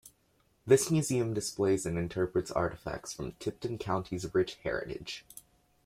This museum displays and interprets artifacts from Tipton County's rich heritage.